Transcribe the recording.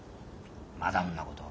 まだそんなこと。